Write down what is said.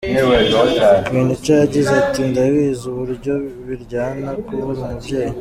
Queen Cha yagize ati: “Ndabizi uburyo biryana kubura umubyeyi.